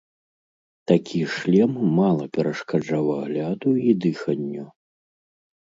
Такі шлем мала перашкаджаў агляду і дыханню.